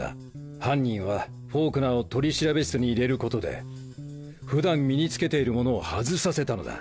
犯人はフォークナーを取調室に入れることで普段身に着けているものを外させたのだ。